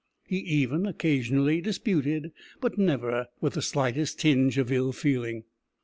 He even occasionally disputed, but never with the slightest tinge of ill feeling.